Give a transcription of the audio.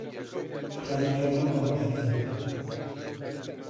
خەریکە نوقم دەبین.